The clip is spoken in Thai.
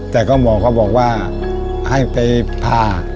แต่ก็หมอก็บอกว่าให้ไปผ่า